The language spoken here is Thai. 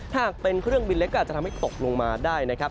หากเป็นเครื่องบินเล็กก็อาจจะทำให้ตกลงมาได้นะครับ